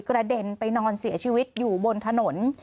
กระเด็นไปนอนเสียชีวิตอยู่บนถนน